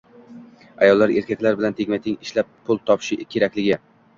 Ayollar erkaklar bilan tengma-teng ishlab pul topishi kerakligi